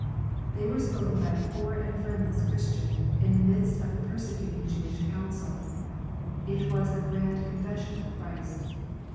They were spoken by a poor and friendless Christian, in the midst of a persecuting Jewish Council. It was a grand con fession of Christ.